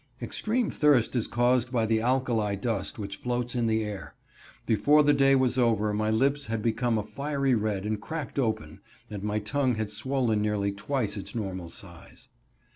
Extreme thirst is caused by the alkali dust which floats in the air. Before the day was over my lips had become a fiery red and cracked open, and my tongue had swollen nearly twice its normal size.